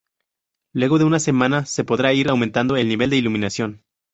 Luego de una semana, se podrá ir aumentando el nivel de iluminación.